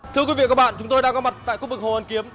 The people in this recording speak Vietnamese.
thưa quý vị và các bạn chúng tôi đang có mặt tại khu vực hồ hoàn kiếm